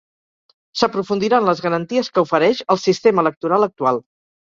S'aprofundirà en les garanties que ofereix el sistema electoral actual.